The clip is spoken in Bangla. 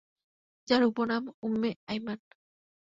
যার উপনাম উম্মে আইমান।